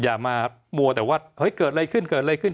ไปให้เร็วที่สุดอย่ามามัวแต่ว่าเฮ้ยเกิดอะไรขึ้น